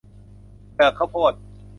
เปลือกข้าวโพด